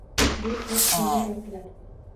Bu harf qanday aytiladi?